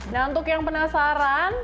nah untuk yang penasaran